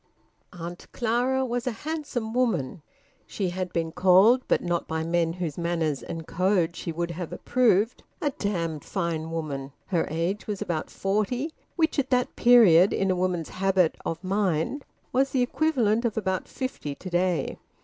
Aunt Clara was a handsome woman. She had been called but not by men whose manners and code she would have approved `a damned fine woman.' Her age was about forty, which at that period, in a woman's habit of mind, was the equivalent of about fifty to day.